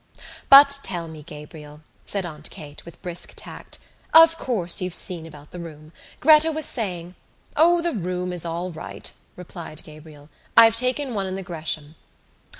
"But tell me, Gabriel," said Aunt Kate, with brisk tact. "Of course, you've seen about the room. Gretta was saying...." "O, the room is all right," replied Gabriel. "I've taken one in the Gresham."